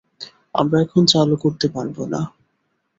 আমরা এখন চালু করতে পারবো না।